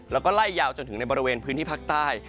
แล้วก็ไล่ยาวจนถึงในบริเวณพื้นที่ภาคใต้